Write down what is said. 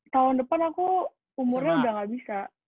tahun depan aku umurnya udah gak bisa